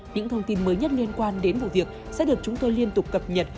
những thông tin mới nhất liên quan đến vụ việc sẽ được chúng tôi liên tục cập nhật